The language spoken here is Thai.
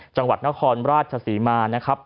จังหวัดนครราชศรีมานะครับ